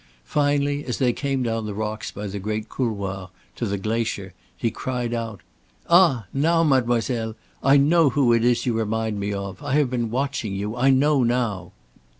Finally as they came down the rocks by the great couloir to the glacier, he cried out: "Ah! Now, mademoiselle, I know who it is you remind me of. I have been watching you. I know now."